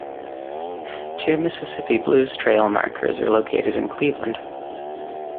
Two Mississippi Blues Trail markers are located in Cleveland.